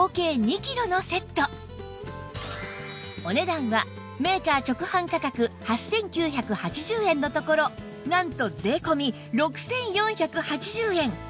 お値段はメーカー直販価格８９８０円のところなんと税込６４８０円